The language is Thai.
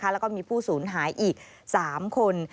แล้วก็มีผู้สูญหายอีก๓คน